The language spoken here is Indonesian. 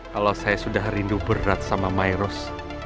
kalau saya sudah rindu berat sama miros